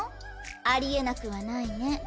ありえなくはないね。